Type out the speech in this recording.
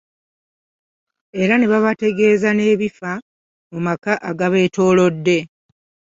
Era ne babategeeza n’ebifa mu maka agabetoolodde.